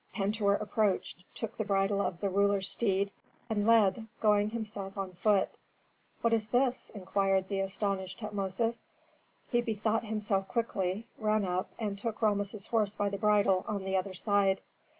Pentuer approached, took the bridle of the ruler's steed, and led, going himself on foot. "What is this?" inquired the astonished Tutmosis. He bethought himself quickly, ran up, and took Rameses' horse by the bridle on the other side.